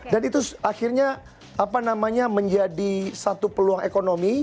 dan itu akhirnya menjadi satu peluang ekonomi